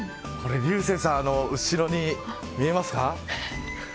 竜星さん、これ後ろに見えますか。